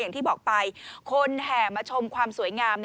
อย่างที่บอกไปคนแห่มาชมความสวยงาม